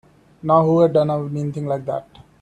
Now who'da done a mean thing like that?